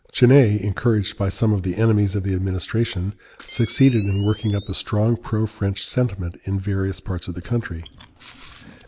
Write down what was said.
Genet, encouraged by some of the enemies of the administration, succeeded in working up a strong pro French sentiment in various parts of the country.